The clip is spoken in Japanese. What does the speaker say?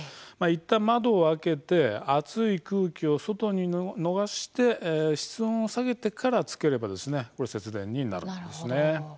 いったん窓を開けて熱い空気を外に逃して室温を下げてからつければ節電になるんですね。